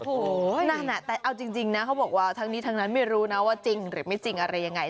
โอ้โหนั่นน่ะแต่เอาจริงนะเขาบอกว่าทั้งนี้ทั้งนั้นไม่รู้นะว่าจริงหรือไม่จริงอะไรยังไง